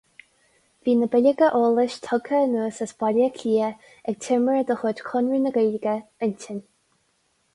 Bhí na bileoga eolais tugtha anuas as Baile Átha Cliath ag timire de chuid Chonradh na Gaeilge, Uinsionn.